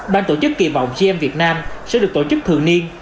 ban tổ chức kỳ vọng gm việt nam sẽ được tổ chức thường niên